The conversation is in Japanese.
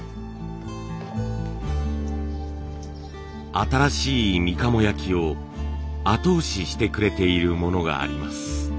新しいみかも焼を後押ししてくれているものがあります。